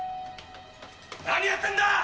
何やってんだ！